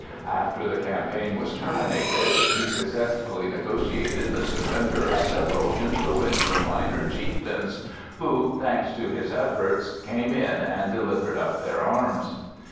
After the campaign was terminated he successfully negotiated the surrender of several influential minor chieftains, who, thanks to his efforts, came in and delivered up their arms.